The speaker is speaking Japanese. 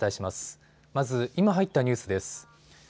まず今入ったニュースです。